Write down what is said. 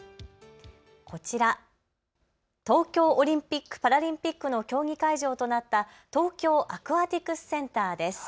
こちら、東京オリンピック・パラリンピックの競技会場となっなった東京アクアティクスセンターです。